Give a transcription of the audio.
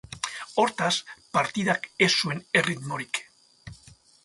Hortaz, partidak ez zuen erritmorik.